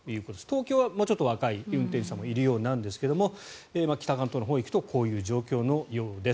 東京はもうちょっと若い運転手さんもいるようですが北関東のほうに行くとこういう状況のようです。